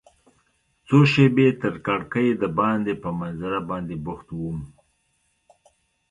څو شیبې تر کړکۍ دباندې په منظره باندې بوخت وم.